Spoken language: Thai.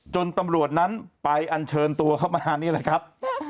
ตำรวจนั้นไปอันเชิญตัวเข้ามานี่แหละครับ